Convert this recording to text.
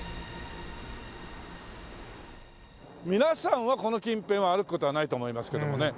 皆さんはこの近辺は歩く事はないと思いますけどもね。